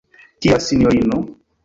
Kial, sinjorino?